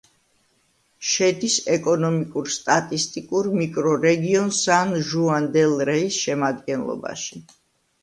შედის ეკონომიკურ-სტატისტიკურ მიკრორეგიონ სან-ჟუან-დელ-რეის შემადგენლობაში.